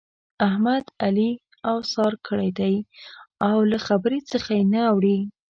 احمد؛ علي اوسار کړی دی او له خبرې څخه يې نه اوړي.